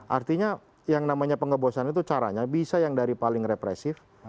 artinya yang namanya pengebosan itu caranya bisa yang dari paling represif